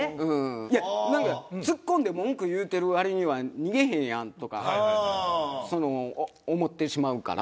いやなんかツッコんで文句言うてる割には逃げへんやんとかその思ってしまうから。